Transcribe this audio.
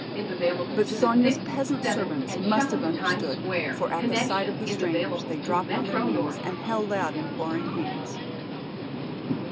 But Sonya's peasant servants must have understood, for at the sight of the strangers they dropped on their knees and held out imploring hands.